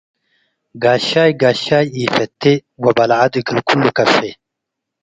ጋሻይ ጋሻይ ኢፈቴ ወበዐል ዐድ እግል ክሉ ከፌ።